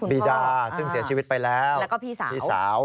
บีดาซึ่งเสียชีวิตไปแล้วพี่สาวแล้วก็พี่สาว